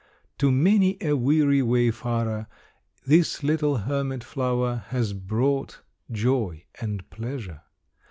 To many a weary wayfarer this little hermit flower has brought joy and pleasure.